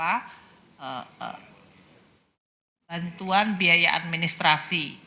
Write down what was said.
bantuan biaya administrasi